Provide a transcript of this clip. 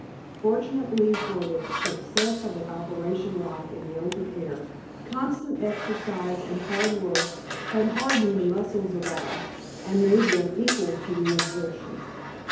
Fortunately for the success of the operation life in the open air, constant exercise and hard work had hardened the muscles of all and made them equal to the exertion.